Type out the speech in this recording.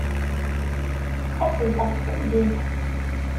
Ad tezdeɣ deg temdint.